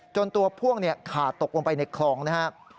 ตัวพ่วงขาดตกลงไปในคลองนะครับ